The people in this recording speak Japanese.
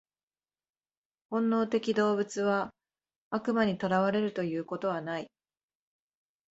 本能的動物は悪魔に囚われるということはない。